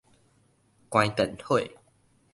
關電火